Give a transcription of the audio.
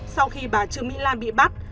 sau khi bà trương mỹ lan bị bắt